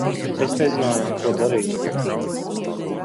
Mēs nezinājām, ko darīt.